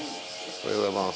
おはようございます。